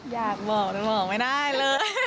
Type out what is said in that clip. อยากบอกแต่บอกไม่ได้เลย